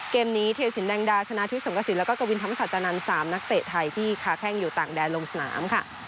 เกมนี้เทียสินแดงดาชนะทิพย์สงกระสินแล้วก็กวินธรรมศาจานันทร์๓นักเตะไทยที่ค้าแข้งอยู่ต่างแดนลงสนามค่ะ